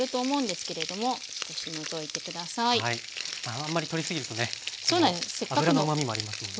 あんまり取りすぎるとね脂のうまみもありますもんね。